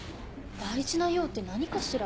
大事な用って何かしら？